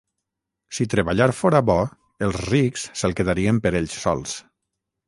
Si treballar fóra bo, els rics se'l quedarien per ells sols